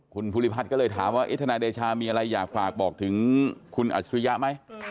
คุณภูริพัฒน์ก็เลยถามว่าทนายเดชามีอะไรอยากฝากบอกถึงคุณอัจฉริยะไหม